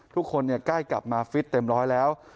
ใกล้กลับมาฟิตเต็มร้อยแล้ว